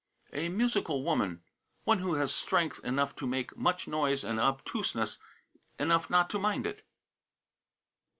"A musical woman: one who has strength enough to make much noise and obtuseness enough not to mind it."